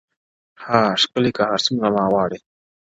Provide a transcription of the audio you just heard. ها ښکلې که هر څومره ما وغواړي;